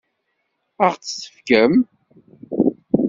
Ad ɣ-t-tefkem?